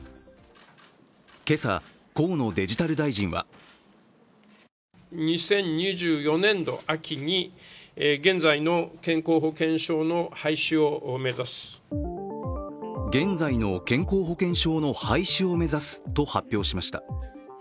今朝、河野デジタル大臣は現在の健康保険証の廃止を目指すと発表しました。